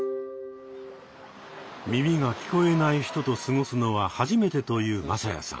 耳が聞こえない人と過ごすのは初めてという匡哉さん。